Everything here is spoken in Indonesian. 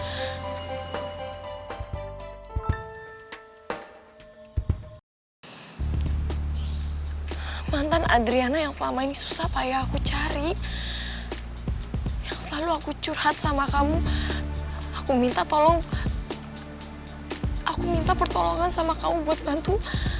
hai mantan andriana yang selama ini susah payah aku cari yang selalu aku curhat sama kamu aku minta tolong aku minta pertolongan sama kamu buat bantu